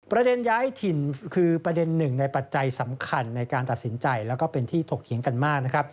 ประเด็นย้ายถิ่นคือประเด็นหนึ่งในปัจจัยสำคัญในการตัดสินใจและเป็นที่ถกเขียนกันมาก